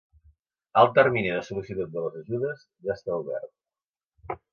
El termini de sol·licitud de les ajudes ja està obert.